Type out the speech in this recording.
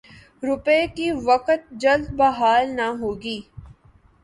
روپے کی وقعت جلد بحال نہ ہوگی۔